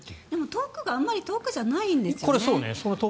遠くがあまり遠くじゃないんですよね。